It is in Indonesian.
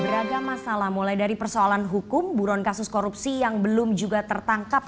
beragam masalah mulai dari persoalan hukum buron kasus korupsi yang belum juga tertangkap